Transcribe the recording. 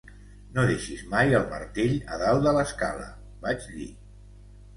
No deixis mai el martell a dalt de l'escala, vaig dir.